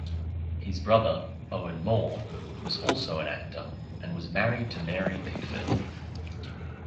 His brother, Owen Moore, was also an actor, and was married to Mary Pickford.